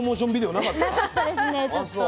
なかったですねちょっと。